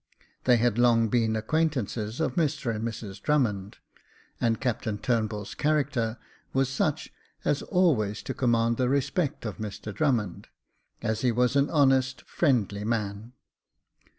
They had long been acquaintances of Mr and Mrs Drummond ; and Captain Turnbull's character v/as such as always to command the respect of Mr Drummond, as he was an honest, friendly man.